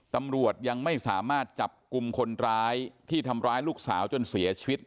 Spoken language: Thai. ตำรวจยังไม่สามารถจับกลุ่มคนร้ายที่ทำร้ายลูกสาวจนเสียชีวิต